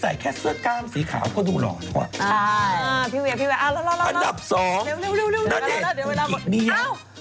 อันดับชอบเป็นนาแบบเหรออันดับหนึ่งจะเป็นใครเนี่ย